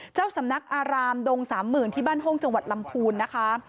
เจ้าสำนักอารามดงสามหมื่นที่บ้านห้องจังหวัดลำพูนนะคะ